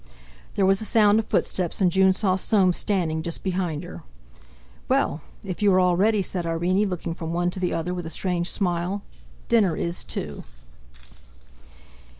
There was a sound of footsteps and June saw Soames standing just behind her. "Well! if you are all ready," said Irene, looking from one to the other with a strange smile, "dinner is too!"